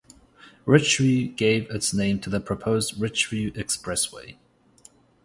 Richview gave its name to the proposed Richview Expressway.